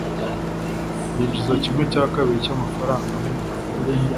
yinjiza kimwe cya kabiri cyamafaranga nkumugabo we